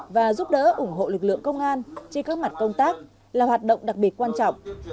và giúp đỡ ủng hộ lực lượng công an trên các mặt công tác là hoạt động đặc biệt quan trọng